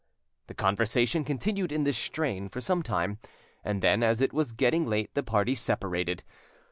The conversation continued in this strain for some time, and then, as it was getting late, the party separated.